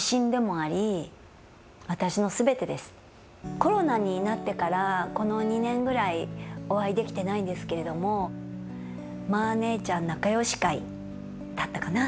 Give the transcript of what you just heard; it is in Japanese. コロナになってからこの２年ぐらいお会いできてないんですけれどもマー姉ちゃん仲よし会だったかな。